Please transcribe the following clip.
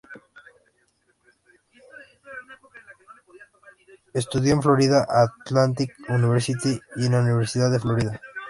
Estudió en Florida Atlantic University y en la Universidad de Florida.